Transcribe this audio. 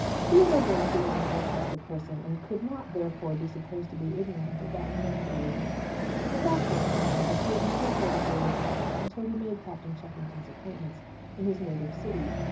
Theodore Bransby was an Oldchester person, and could not, therefore, be supposed to be ignorant of that lamentable event. The fact was, however, that he had never heard a word about it until he made Captain Cheffington's acquaintance in his native city.